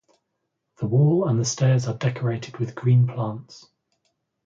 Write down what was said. The wall and the stairs are decorated with green plants.